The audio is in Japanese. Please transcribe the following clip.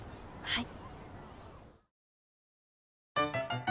はい。